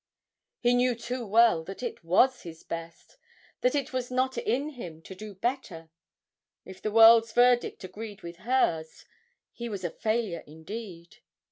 He knew too well that it was his best, that it was not in him to do better; if the world's verdict agreed with hers, he was a failure indeed.